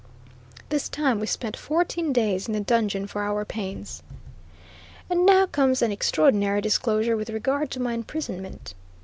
This time we spent fourteen days in the dungeon for our pains. And now comes an extraordinary disclosure with regard to my imprisonment.